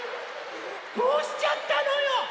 どうしちゃったのよ！